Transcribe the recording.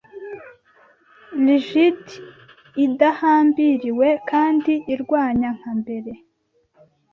Rigid idahambiriwe kandi irwanya nka mbere